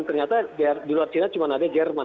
ternyata di luar cina cuma ada jerman